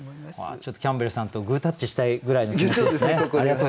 ちょっとキャンベルさんとグータッチしたいぐらいの気持ちですね。